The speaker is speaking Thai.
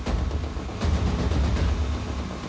โดนไปเยอะแค่นั้นแหละ